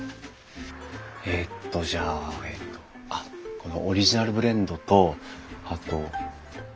えっとじゃあこのオリジナルブレンドとあと。